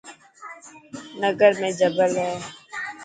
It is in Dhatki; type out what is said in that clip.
ننگر ۾ جبل هي.